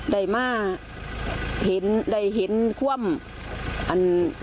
ได้มาเห็นได้เห็นความอัน